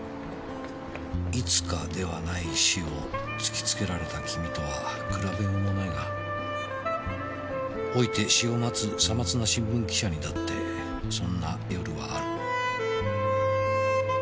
「いつかではない死を突きつけられた君とは比べようもないが老いて死を待つ瑣末な新聞記者にだってそんな夜はある」